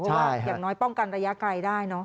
เพราะว่าอย่างน้อยป้องกันระยะไกลได้เนอะ